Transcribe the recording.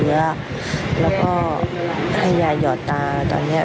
และก็ให้จะหยอดตาร์ตอนนี้